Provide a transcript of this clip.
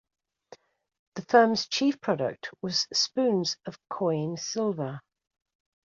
The firm's chief product was spoons of coin silver.